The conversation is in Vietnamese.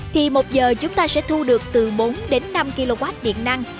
thì một giờ chúng ta sẽ thu được từ bốn đến năm kw điện năng